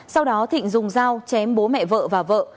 sau đó thịnh dùng dao chém bố mẹ vợ và vợ